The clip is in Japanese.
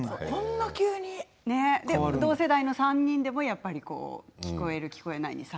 同世代の３人にも聞こえる聞こえないの差が。